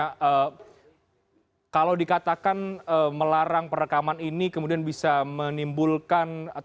karena kalau dikatakan melarang perekaman ini kemudian bisa menimbulkan